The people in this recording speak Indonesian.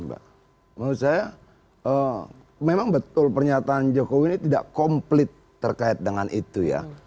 menurut saya memang betul pernyataan jokowi ini tidak komplit terkait dengan itu ya